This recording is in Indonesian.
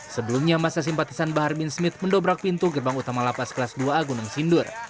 sebelumnya masa simpatisan bahar bin smith mendobrak pintu gerbang utama lapas kelas dua a gunung sindur